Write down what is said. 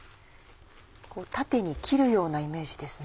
縦に切るようなイメージですね。